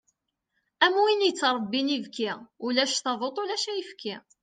Am win yettrebbin ibki, ulac taduṭ ulac ayefki.